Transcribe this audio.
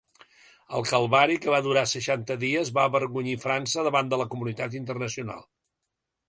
El calvari, que va durar seixanta dies, va avergonyir França davant de la comunitat internacional.